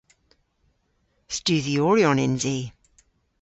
Studhyoryon yns i.